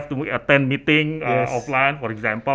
tapi sekarang mereka harus menghadiri mesyuarat di luar negara